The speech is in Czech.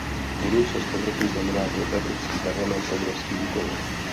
Budoucnost Evropy znamená pro Evropský parlament obrovský úkol.